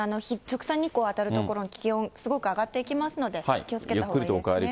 直射日光当たる所、気温、すごく上がっていきますので、気をつけたほうがいいですね。